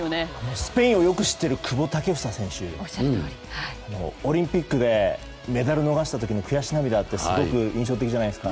スペインをよく知っている久保建英選手、オリンピックでメダルを逃した時の悔し涙がすごく印象的じゃないですか。